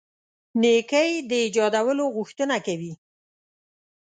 نېکۍ د ایجادولو غوښتنه کوي.